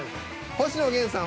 「星野源さん」